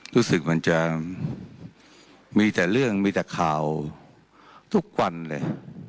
รู้สึกมันจะมีแต่เรื่องมีแต่ข่าวทุกวันเลย